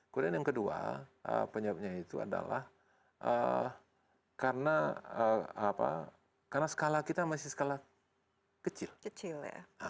kemudian yang kedua penyebabnya itu adalah karena skala kita masih skala kecil kecil